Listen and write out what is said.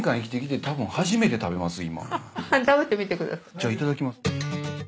じゃあいただきます。